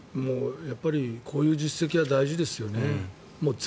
やっぱりこういう実績は大事ですよね。